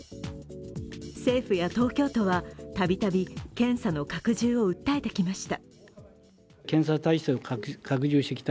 政府や東京都は度々検査の拡充を訴えてきました。